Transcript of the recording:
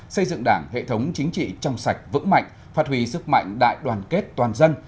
xây dựng đảng hệ thống chính trị trong sạch vững mạnh phát huy sức mạnh đại đoàn kết toàn dân